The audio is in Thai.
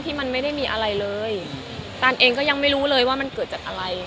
ที่มันไม่ได้มีอะไรเลยตานเองก็ยังไม่รู้เลยว่ามันเกิดจากอะไร